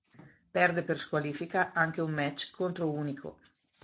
Perde per squalifica anche un match contro Hunico.